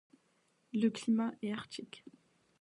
Le climat est arctique.